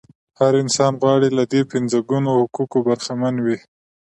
هر انسان غواړي له دې پنځه ګونو حقوقو برخمن وي.